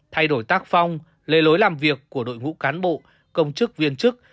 thay đổi tác phong lề lối làm việc của đội ngũ cán bộ công chức viên chức